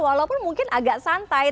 walaupun mungkin agak santai